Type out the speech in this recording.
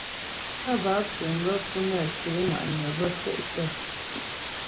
Á bə́ á puŋ gaə́ pú nə́ ké ŋwa'nyə bə́ fôktə.